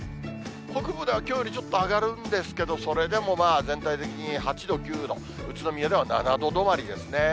北部ではきょうよりちょっと上がるんですけど、それでもまあ、全体的に８度、９度、宇都宮では７度止まりですね。